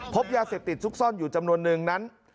พบยาเสพติดซุกซ่อนอยู่จำนวนนึงนั้น